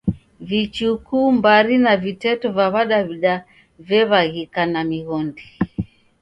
Vichuku, mbari na viteto va W'adaw'ida vew'aghika na mighondi.